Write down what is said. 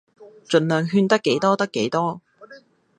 儘量勸得幾多得幾多